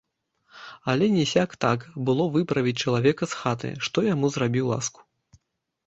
Але не сяк-так было выправіць чалавека з хаты, што яму зрабіў ласку.